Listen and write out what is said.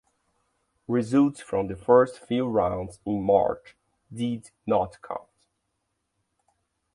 Results from the first few rounds in March did not count.